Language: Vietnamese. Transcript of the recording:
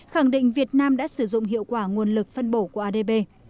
khẳng định việt nam đã sử dụng hiệu quả nguồn lực phân bổ của adb